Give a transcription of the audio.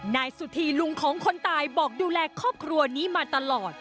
นายสุธีลุงของคนตายบอกดูแลครอบครัวนี้มาตลอด